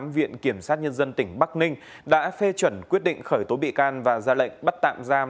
viện kiểm sát nhân dân tỉnh bắc ninh đã phê chuẩn quyết định khởi tố bị can và ra lệnh bắt tạm giam